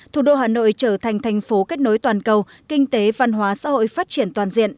thủ đô hà nội trở thành thành phố kết nối toàn cầu kinh tế văn hóa xã hội phát triển toàn diện